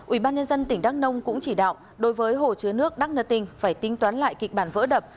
ubnd tỉnh đắk nông cũng chỉ đạo đối với hồ chứa nước đắk nơ tinh phải tính toán lại kịch bản vỡ đập